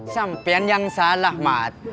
sampian yang salah mat